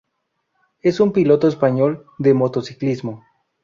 Es un piloto español de motociclismo.